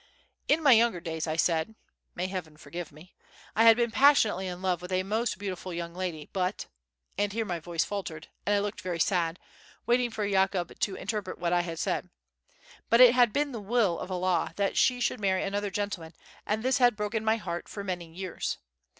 In my younger days, I said (may Heaven forgive me!), I had been passionately in love with a most beautiful young lady, but—and here my voice faltered, and I looked very sad, waiting for Yakoub to interpret what I had said—but it had been the will of Allah that she should marry another gentleman, and this had broken my heart for many years.